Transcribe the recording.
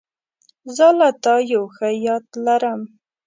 زه له تا یو ښه یاد لرم.